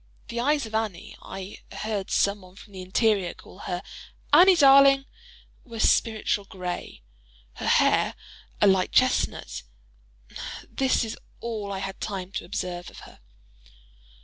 The eyes of Annie (I heard some one from the interior call her "Annie, darling!") were "spiritual grey;" her hair, a light chestnut: this is all I had time to observe of her.